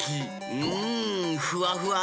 うんふわふわ！